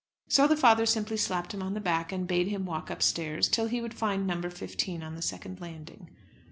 So the father simply slapped him on the back, and bade him walk upstairs till he would find No. 15 on the second landing.